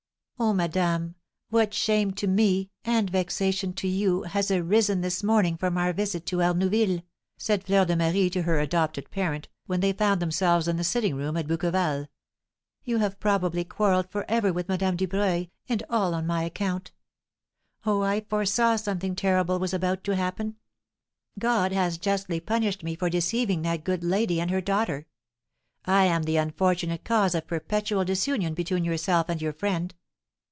"Ah, madame! what shame to me, and vexation to you, has arisen this morning from our visit to Arnouville!" said Fleur de Marie to her adopted parent, when they found themselves in the sitting room at Bouqueval; "you have probably quarrelled for ever with Madame Dubreuil, and all on my account! Oh, I foresaw something terrible was about to happen! God has justly punished me for deceiving that good lady and her daughter! I am the unfortunate cause of perpetual disunion between yourself and your friend."